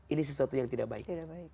ini sesuatu yang tidak baik